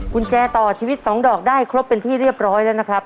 กุญแจต่อชีวิต๒ดอกได้ครบเป็นที่เรียบร้อยแล้วนะครับ